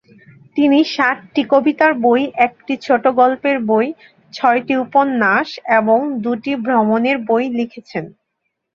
তিনি সাতটি কবিতার বই, একটি ছোট গল্পের বই, ছয়টি উপন্যাস এবং দুটি ভ্রমণের বই লিখেছেন।